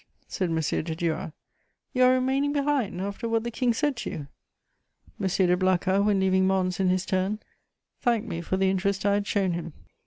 said M. de Duras. "You are remaining behind, after what the King said to you?" M. de Blacas, when leaving Mons in his turn, thanked me for the interest I had shown him.